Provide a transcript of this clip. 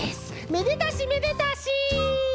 めでたしめでたし！